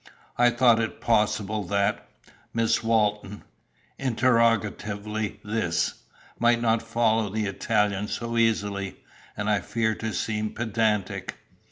"I thought it possible that Miss Walton (?)" interrogatively this "might not follow the Italian so easily, and I feared to seem pedantic."